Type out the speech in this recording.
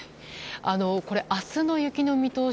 明日の雪の見通し